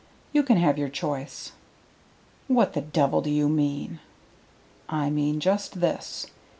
You can take your choice." "What the devil do you mean?" "I mean just this.